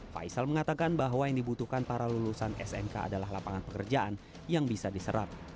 faisal mengatakan bahwa yang dibutuhkan para lulusan smk adalah lapangan pekerjaan yang bisa diserap